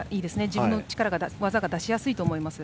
自分の技が出しやすいと思います。